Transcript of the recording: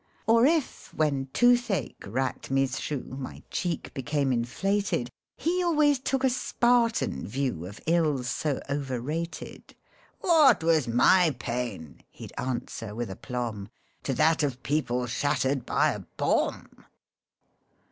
Or if, when toothache racked me through, My cheek became inflated, He always took a Spartan view Of ills so over rated. " What was my pain ?" he'd answer with aplomb, " To that of people shattered by a bomb